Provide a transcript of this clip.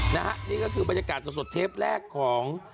นะฮะนี่ก็คือบรรยากาศสดเทปแรกของ